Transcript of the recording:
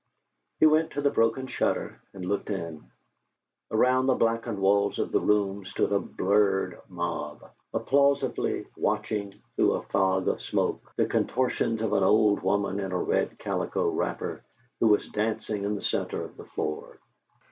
He went to the broken shutter and looked in. Around the blackened walls of the room stood a bleared mob, applausively watching, through a fog of smoke, the contortions of an old woman in a red calico wrapper, who was dancing in the centre of the floor.